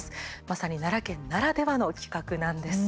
まさに、奈良県ならではの企画なんです。